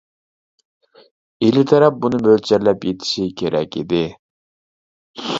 ئىلى تەرەپ بۇنى مۆلچەرلەپ يىتىشى كېرەك ئىدى.